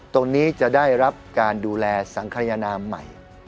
ตรงนี้จะได้รับการดูแลสังขยนามใหม่